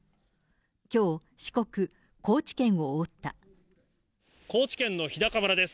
きょう、高知県の日高村です。